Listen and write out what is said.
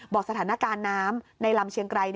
สถานการณ์น้ำในลำเชียงไกร